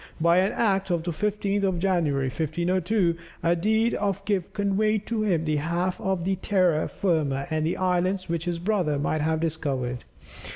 By an act of the 15th of January, 1502, a deed of gift conveyed to him the half of the terra firma and islands which his brother might have discovered.